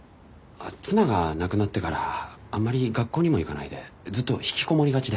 妻が亡くなってからあんまり学校にも行かないでずっと引きこもりがちで。